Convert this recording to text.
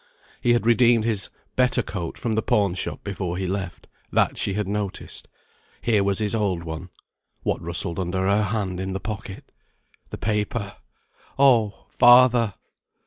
He had redeemed his better coat from the pawn shop before he left, that she had noticed. Here was his old one. What rustled under her hand in the pocket? The paper! "Oh! Father!"